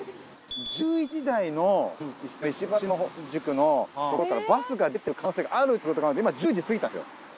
１１時台のその石橋宿のところからバスが出てる可能性があるということが今１０時過ぎたんですよ。